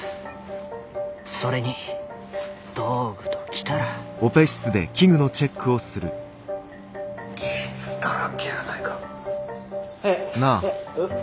それに道具ときたら傷だらけやないか。